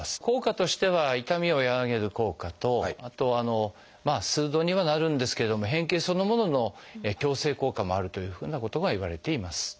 効果としては痛みを和らげる効果とあと数度にはなるんですけれども変形そのものの矯正効果もあるというふうなことがいわれています。